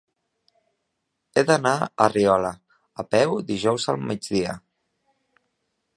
He d'anar a Riola a peu dijous al migdia.